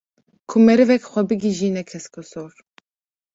ku merivek xwe bigîjîne keskesor